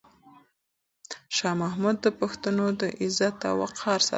شاه محمود د پښتنو د عزت او وقار ساتونکی و.